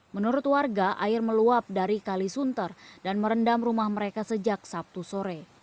menurut warga air meluap dari kalisunter dan merendam rumah mereka sejak sabtu sore